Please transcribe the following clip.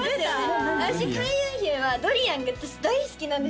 私開運姫はドリアンが大好きなんですよ